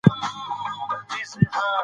چې ولس کې خواره واره پراته دي را ټول يې کړي.